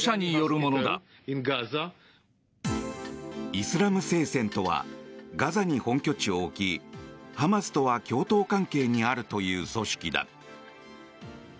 イスラム聖戦とはガザに本拠地を置きハマスとは共闘関係にあるという組織だ。